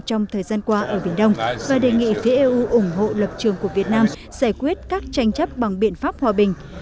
trong thời gian qua ở biển đông và đề nghị phía eu ủng hộ lập trường của việt nam giải quyết các tranh chấp bằng biện pháp hòa bình